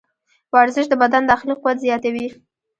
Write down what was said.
ورزش د بدن داخلي قوت زیاتوي.